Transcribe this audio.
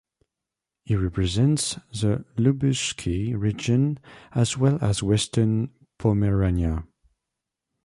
He represents the Lubuskie Region as well as Western Pomerania.